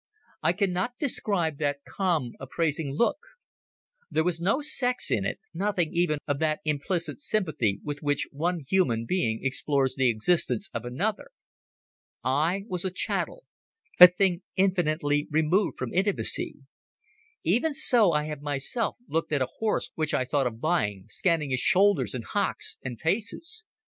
I cannot describe that calm appraising look. There was no sex in it, nothing even of that implicit sympathy with which one human being explores the existence of another. I was a chattel, a thing infinitely removed from intimacy. Even so I have myself looked at a horse which I thought of buying, scanning his shoulders and hocks and paces.